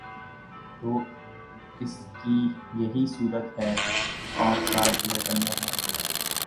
تو اس کی یہی صورت ہے اگر پانچ سال پورے کرنے ہیں۔